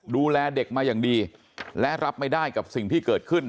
ดูแลเด็กมาอย่างดีและรับไม่ได้กับสิ่งที่เกิดขึ้น